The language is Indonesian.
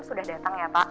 sudah datang ya pak